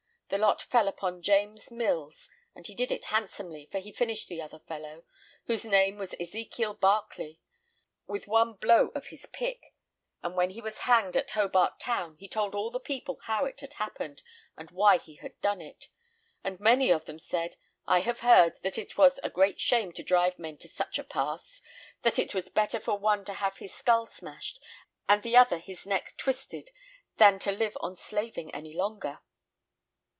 The lot fell upon James Mills, and he did it handsomely, for he finished the other fellow, whose name was Ezekiel Barclay, with one blow of his pick, and when he was hanged at Hobart Town, he told all the people how it had happened, and why he had done it; and many of them said, I have heard, that it was a great shame to drive men to such a pass that it was better for one to have his skull smashed, and the other his neck twisted, than to live on slaving any longer."